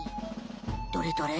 どれどれ？